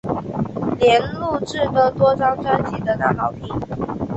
莲录制的多张专辑得到好评。